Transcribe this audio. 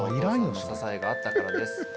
支えがあったからです。